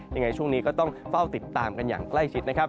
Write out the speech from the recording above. ยังไงช่วงนี้ก็ต้องเฝ้าติดตามกันอย่างใกล้ชิดนะครับ